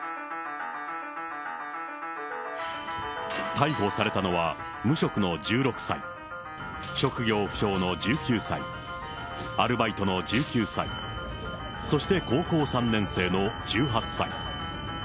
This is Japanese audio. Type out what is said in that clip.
逮捕されたのは、無職の１６歳、職業不詳の１９歳、アルバイトの１９歳、そして高校３年生の１８歳。